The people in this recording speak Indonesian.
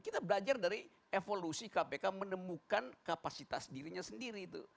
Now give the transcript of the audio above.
kita belajar dari evolusi kpk menemukan kapasitas dirinya sendiri itu